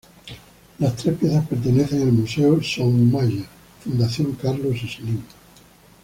Las tres piezas pertenecen al Museo Soumaya, Fundación Carlos Slim.